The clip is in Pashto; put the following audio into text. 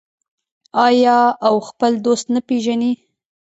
آیا او خپل دوست نه پیژني؟